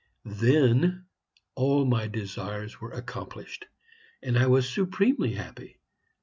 Then all my desires were accomplished, and I was supremely happy.